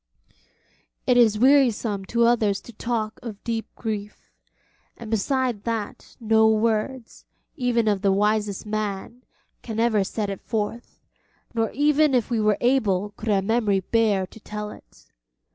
It is wearisome to others to talk of deep grief, and beside that no words, even of the wisest man, can ever set it forth, nor even if we were able could our memory bear to tell it.